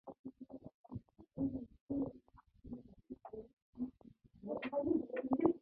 Одоо өдөр тутам хийх бүтээлийн талаар зөвлөмж өгье.